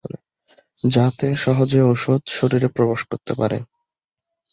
যাতে সহজে ঔষুধ শরীরে প্রবেশ করতে পারে।